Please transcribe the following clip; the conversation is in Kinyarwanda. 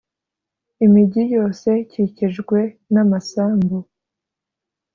imigi yose ikikijwe n’ amasambu